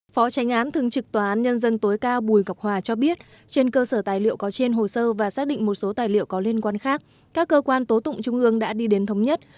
phó tránh án thường trực tòa án nhân dân tối cao bùi ngọc hòa cho biết trên cơ sở tài liệu có trên hồ sơ và xác định một số tài liệu có liên quan khác các cơ quan tố tụng trung ương đã đi đến thống nhất